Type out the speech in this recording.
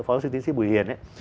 phó giáo sư tiến sĩ bùi hiền